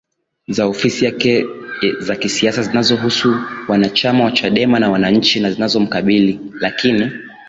za ofisi yake za kisiasa zinazohusu wanachama wa Chadema za wananchi na zinazomkabili lakini